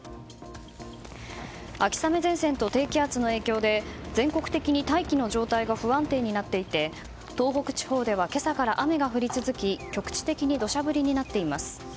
秋雨前線と低気圧の影響で全国的に大気の状態が不安定になっていて東北地方では今朝から雨が降り続き、局地的にどしゃ降りになっています。